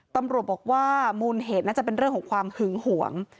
ตำรวจบอกว่ามูลเหตุน่าจะเป็นเรื่องของความหึงหวง